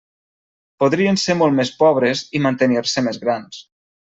Podrien ser molt més pobres i mantenir-se més grans.